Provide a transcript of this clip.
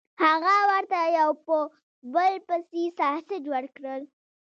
هغه ورته یو په بل پسې ساسج ورکړل